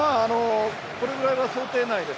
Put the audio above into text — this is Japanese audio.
これぐらいは想定内です。